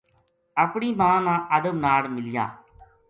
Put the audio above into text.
اپنی ماں نا ادب ناڑ ملیا